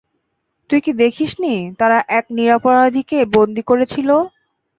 তুই কি দেখিসনি, তারা এক নিরপরাধীকে বন্ধী করেছিল।